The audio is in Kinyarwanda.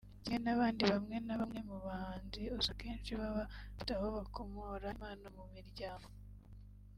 Kimwe n'abandi bamwe na bamwe mu bahanzi usanga akenshi baba bafite aho bakomora impano mu miryango